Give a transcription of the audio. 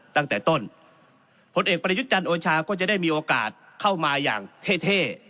ตั้งแต่ต้นผลเอกประยุทธ์จันทร์โอชาก็จะได้มีโอกาสเข้ามาอย่างเท่เท่